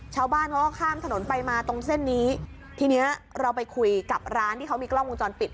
ชาวบ้านเขาก็ข้ามถนนไปมาตรงเส้นนี้ทีเนี้ยเราไปคุยกับร้านที่เขามีกล้องวงจรปิด